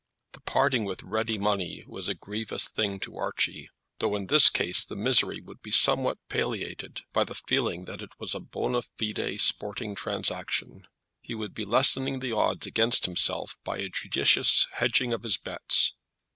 The parting with ready money was a grievous thing to Archie, though in this case the misery would be somewhat palliated by the feeling that it was a bonâ fide sporting transaction. He would be lessening the odds against himself by a judicious hedging of his bets.